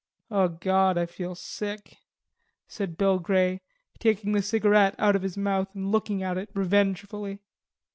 "O God, I feel sick," said Bill Grey, taking the cigarette out of his mouth and looking at it revengefully.